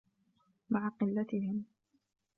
مَعَ قِلَّتِهِمْ